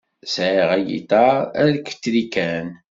Sεiɣ agiṭar alktrikan.